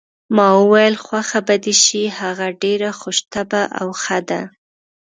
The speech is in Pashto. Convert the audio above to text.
ما وویل: خوښه به دې شي، هغه ډېره خوش طبع او ښه ده.